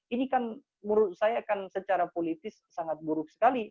ini kan menurut saya akan secara politis sangat buruk sekali